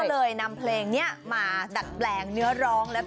ก็เลยนำเพลงนี้มาดัดแปลงเนื้อร้องและ